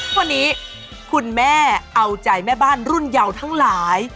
วันนี้คุณแม่เอาใจแม่บ้านรุ่นเยาทั้งหลาย